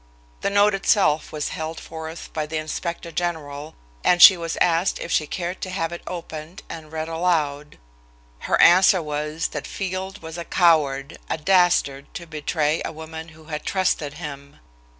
The note itself was held forth by the inspector general and she was asked if she cared to have it opened and read aloud. Her answer was that Field was a coward, a dastard to betray a woman who had trusted him.